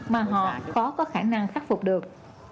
mà họ khó có khả năng khắc phục